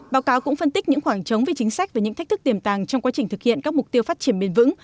báo cáo cũng phân tích những khoảng trống về chính sách và những thách thức tiềm tàng trong quá trình thực hiện các mục tiêu phát triển bền vững